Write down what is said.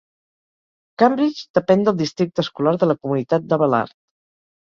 Cambridge depèn del Districte Escolar de la Comunitat de Ballard.